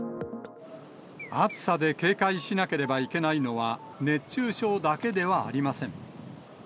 暑さで警戒しなければいけないのは、熱中症だけではありません。